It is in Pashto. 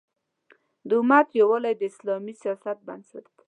د امت یووالی د اسلامي سیاست بنسټ دی.